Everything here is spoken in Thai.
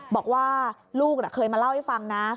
บอกว่าลูกเคยมาเล่าให้ฟังนะ